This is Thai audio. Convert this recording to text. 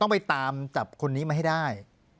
ไปตามจับคนนี้มาให้ได้